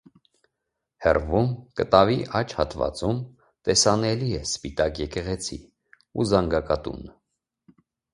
Հեռվում, կտավի աջ հատվածում, տեսանելի է սպիտակ եկեղեցի ու զանգակատուն։